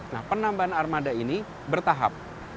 nah penambahan armada ini bertahap